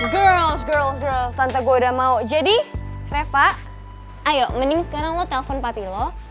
girls girls girls tante gue udah mau jadi reva ayo mending sekarang lo telpon pati lo